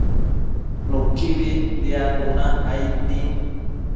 Nuquibi diadnuna aid din